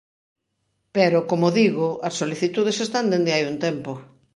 Pero, como digo, as solicitudes están dende hai un tempo.